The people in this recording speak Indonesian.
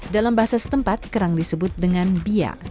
dalam bahasa setempat kerang disebut dengan bia